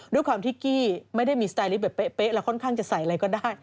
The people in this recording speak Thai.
ด้วยความที่กี้ไม่ได้มีสไตลิฟต์แบบเป๊ะแล้วค่อนข้างจะใส่อะไรก็ได้